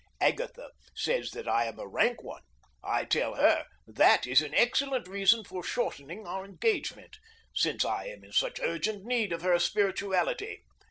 Agatha says that I am a rank one. I tell her that is an excellent reason for shortening our engagement, since I am in such urgent need of her spirituality.